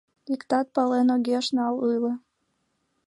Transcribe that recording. Иктат пален огеш нал ыле...